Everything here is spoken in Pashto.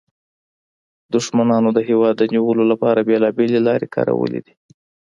دښمنانو د هېواد د نیولو لپاره بیلابیلې لارې کارولې دي